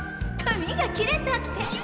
「紙が切れた」って。